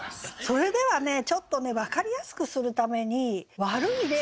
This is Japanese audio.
それではねちょっとね分かりやすくするために悪い例っていうのをね